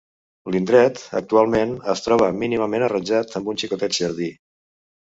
L'indret, actualment, es troba mínimament arranjat amb un xicotet jardí.